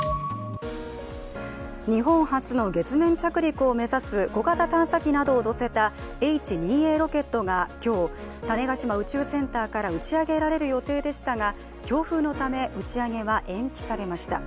日本初の月面着陸を目指す小型探査機などをのせたＨ２Ｓロケットが今日、種子島宇宙センターから打ち上げられる予定でしたが強風のため打ち上げは延期されました。